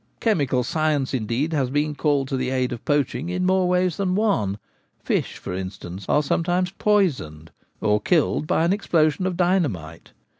Chemi cal science, indeed, has been called to the aid of poaching in more ways than one : fish, for instance, are sometimes poisoned, or killed by an explosion of dynamite.